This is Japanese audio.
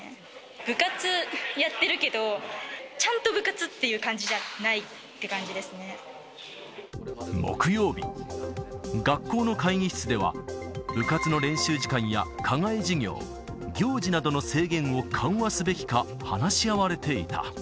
部活やってるけど、ちゃんと部活っていう感じじゃないって感じで木曜日、学校の会議室では、部活の練習時間や課外授業、行事などの制限を緩和すべきか話し合われていた。